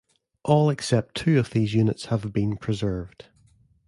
All except two of these units have been preserved.